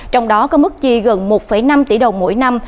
trong đó có mức chi gần một năm tỷ đồng mỗi năm